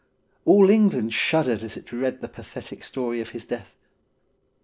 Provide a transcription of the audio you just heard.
All England shuddered as it read the pathetic story of his death.